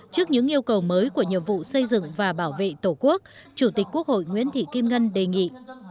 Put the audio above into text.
trước những yêu cầu mới của nhiệm vụ xây dựng và bảo vệ tổ quốc chủ tịch quốc hội nguyễn thị kim ngân đề nghị